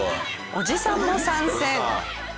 おじさんも参戦。